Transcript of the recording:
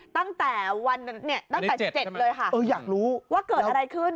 ตั้งแต่วันเนี่ยตั้งแต่๗เลยค่ะเอออยากรู้ว่าเกิดอะไรขึ้น